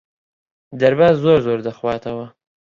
دەرباز زۆر زۆر دەخواتەوە.